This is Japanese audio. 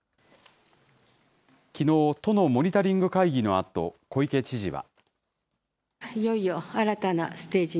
きのう、都のモニタリング会議のあと小池知事は。